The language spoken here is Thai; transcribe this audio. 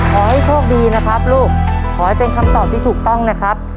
ขอให้โชคดีนะครับลูกขอให้เป็นคำตอบที่ถูกต้องนะครับ